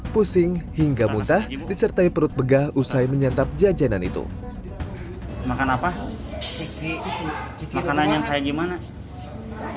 pusing hingga muntah disertai perut begah usai menyantap jajanan itu makan apa makanan yang kayak gimana